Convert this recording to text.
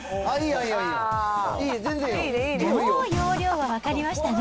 もう要領は分かりましたね。